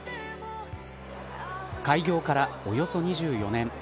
開業からおよそ２４年。